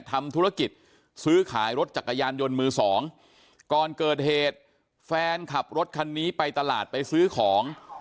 ทำธุรกิจซื้อขายรถจักรยานยนต์มือสองก่อนเกิดเหตุแฟนขับรถคันนี้ไปตลาดไปซื้อของ